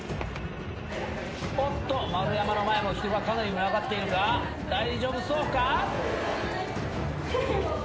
おっと丸山の前も人がかなり群がっているが大丈夫そうか？